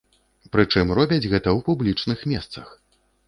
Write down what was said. Прычым робяць гэта ў публічных месцах.